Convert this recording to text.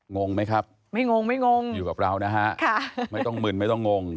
งงไหมครับไม่งงไม่งงอยู่กับเรานะฮะไม่ต้องมึนไม่ต้องงง